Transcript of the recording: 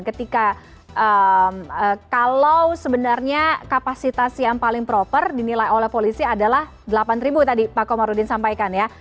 ketika kalau sebenarnya kapasitas yang paling proper dinilai oleh polisi adalah delapan tadi pak komarudin sampaikan ya